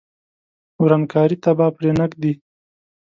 ورانکاري ته به پرې نه ږدي.